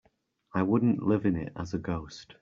I wouldn't live in it as a ghost.